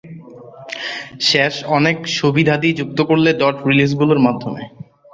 স্যাস অনেক সুবিধাদি যুক্ত করল ডট-রিলিজগুলোর মাধ্যমে।